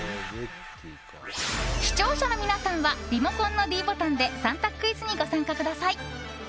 視聴者の皆さんはリモコンのｄボタンで３択クイズにご参加ください。